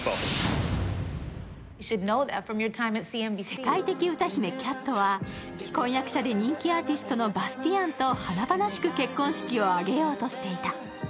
世界的歌姫キャットは、婚約者で人気アーティストのバスティアンと華々しく結婚式を挙げようとしていた。